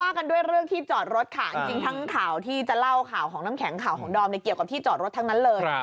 กันด้วยเรื่องที่จอดรถค่ะจริงทั้งข่าวที่จะเล่าข่าวของน้ำแข็งข่าวของดอมเนี่ยเกี่ยวกับที่จอดรถทั้งนั้นเลย